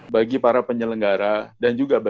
bagi para penyelenggara dan juga